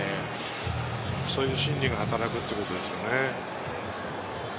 そういう心理が働くということですよね。